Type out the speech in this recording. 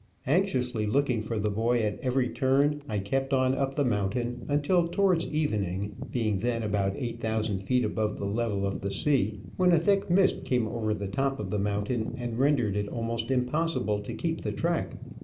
Anxiously looking for the boy at* every turn, I kept on up the mountain until towards evening, being then about 8,000 feet above the level of the sea, when a thick mist came over the top of the mountain and rendered it almost impossible to keep the track.